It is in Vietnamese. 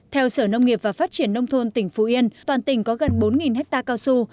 theo sở nông nghiệp và phát triển nông thôn tỉnh phú yên toàn tỉnh có gần bốn hectare cao su